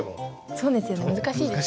そうですよね難しいですよね。